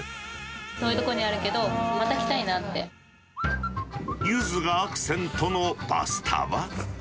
遠い所にあるけど、また来たゆずがアクセントのパスタは？